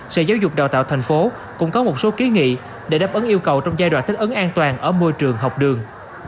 sở giáo dục đào tạo thành phố cũng có một số ký nghị để đáp ứng yêu cầu trong giai đoạn thích ứng an toàn ở môi trường học đường